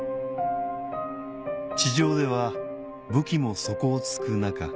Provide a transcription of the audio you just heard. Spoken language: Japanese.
地上では武器も底を突く中